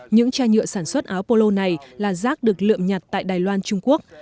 những chai nhựa sản xuất áo polo này là rác được lượm nhặt tại đài loan trung quốc